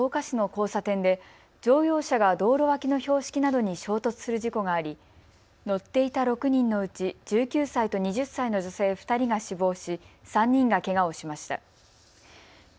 けさ、埼玉県草加市の交差点で乗用車が道路脇の標識などに衝突する事故があり乗っていた６人のうち１９歳と２０歳の女性２人が死亡し３人がけがをしました。